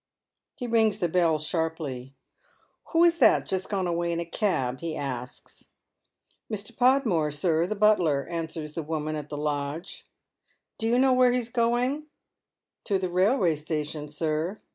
He rings the bell sharply. " Who is that just gone away in a cab ?" he asks. " Mr. Podmore, sir, the butler," answers the woman at the lodga " Do you know where he is going ?"" To the railway station, sir."